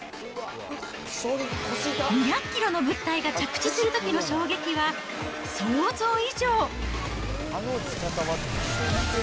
２００キロの物体が着地するときの衝撃は想像以上。